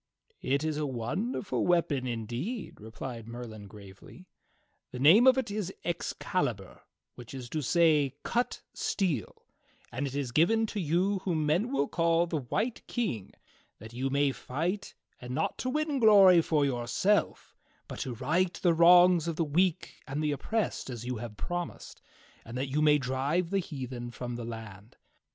"It is a wonderful weapon, indeed," replied Merlin gravely. "The name of it is Excalibur, which is to say ' Cut Steel,' and it is given to you whom men will call the White King that you may fight, not to win glory for yourself, but to right the wrongs of the weak and the oppressed as you have promised, and that you may drive the heathen from the land.